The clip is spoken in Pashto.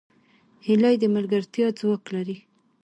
هیلۍ د ملګرتیا ځواک لري